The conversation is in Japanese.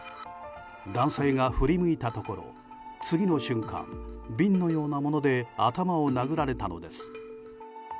男性が振り向いたところ次の瞬間瓶のようなもので頭を殴られたのです。